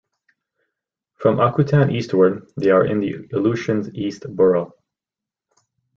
From Akutan eastward they are in the Aleutians East Borough.